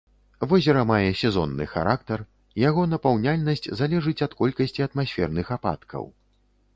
Возера мае сезонны характар, яго напаўняльнасць залежыць ад колькасці атмасферных ападкаў.